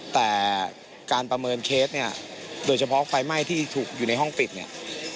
แต่การประเมินเคสเนี่ยโดยเฉพาะไฟไหม้ที่ถูกอยู่ในห้องปิดเนี่ย